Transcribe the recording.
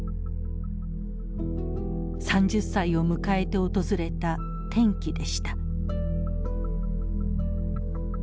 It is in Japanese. ３０歳を迎えて訪れた転機でした。